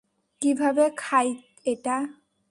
কীভাবে খায় এটা?